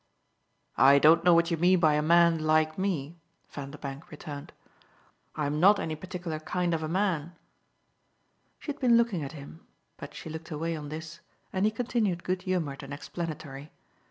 "I don't know what you mean by a man 'like me,'" Vanderbank returned. "I'm not any particular kind of a man." She had been looking at him, but she looked away on this, and he continued good humoured and explanatory.